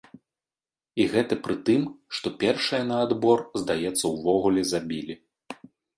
І гэта пры тым, што першыя на адбор, здаецца, увогуле забілі.